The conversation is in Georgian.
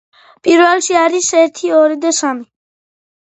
პირველში არის: ერთი, ორი და სამი.